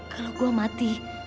kalau gue mati